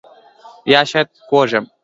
یا شاید کوم یاږ دی چې هلته ګرځي